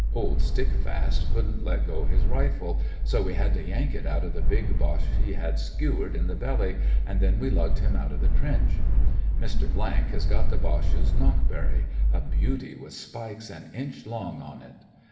Old Stickfast wouldn't let go his rifle, so i 164 " STICKFAST " AND OFFICER i ! we had to yank it out of the big Boche he had skewered in the belly, an' then we lugged him out of the trench. Mr. has got the Boche's knobkerry — a beauty with spikes an inch long on it.